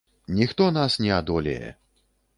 Ніхто нас не адолее!